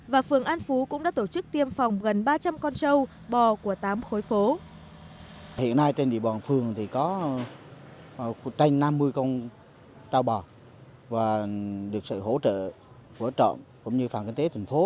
và phường an phú cũng đã tổ chức tiêm phòng gần ba trăm linh con trâu bò của tám khối phố